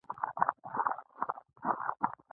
هر څوک چې په ماتمي ورځ له خره نشي راکوزېدای.